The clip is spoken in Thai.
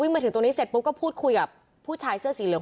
มาถึงตรงนี้เสร็จปุ๊บก็พูดคุยกับผู้ชายเสื้อสีเหลือง